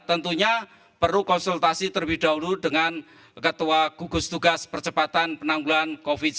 tentunya perlu konsultasi terlebih dahulu dengan ketua gugus tugas percepatan penanggulan covid sembilan belas